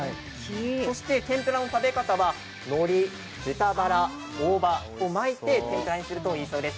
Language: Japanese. そして天ぷらの食べ方は、のり、豚バラ、大葉を巻いて天ぷらにするといいそうです。